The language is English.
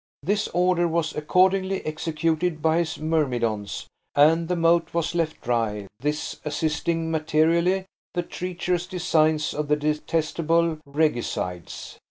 This order was accordingly executed by his myrmidons, and the moat was left dry, this assisting materially the treacherous designs of the detestable regicides.